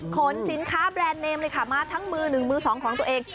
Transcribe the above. ขนสินค้าแบรนด์เนมเลยค่ะมาทั้งมือหนึ่งมือสองของตัวเอง